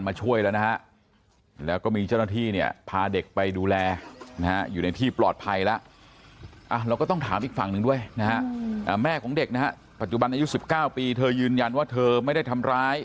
แม่ของเด็กนะฮะปัจจุบันอายุ๑๙ปีเธอยืนยันว่าเธอไม่ได้ทำร้าย